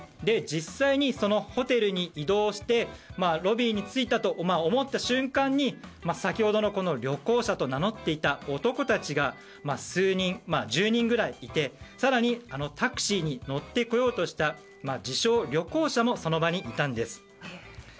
実際にホテルに移動してロビーに着いたと思った瞬間に先ほどの旅行者と名乗っていた男たちが数人、１０人くらいいて更にタクシーに乗ってこようとした自称旅行者もその場にいたんです。